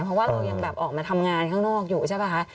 เพราะว่าเรายังแบบออกมาทำงานข้างนอกอยู่ใช่ป่ะคะ